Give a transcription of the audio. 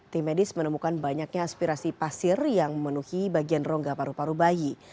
tim medis menemukan banyaknya aspirasi pasir yang memenuhi bagian rongga paru paru bayi